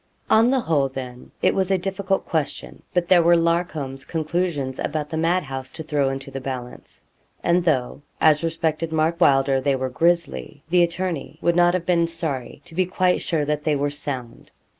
On the whole, then, it was a difficult question. But there were Larcom's conclusions about the mad house to throw into the balance. And though, as respected Mark Wylder, they were grisly, the attorney would not have been sorry to be quite sure that they were sound.